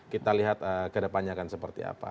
kita lihat kedepannya akan seperti apa